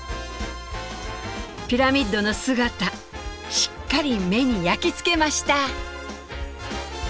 ピラミッドの姿しっかり目に焼き付けました！